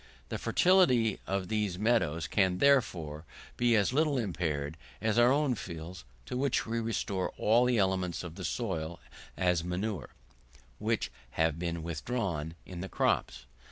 The fertility of these meadows can, therefore, be as little impaired as our own fields, to which we restore all the elements of the soil, as manure, which have been withdrawn in the crops.